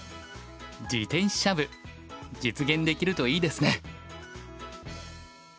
自転車部実現できるといいですね！